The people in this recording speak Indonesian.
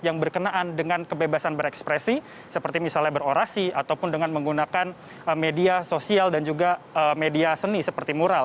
yang berkenaan dengan kebebasan berekspresi seperti misalnya berorasi ataupun dengan menggunakan media sosial dan juga media seni seperti mural